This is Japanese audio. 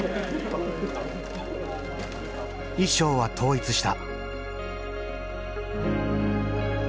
衣装は統一した。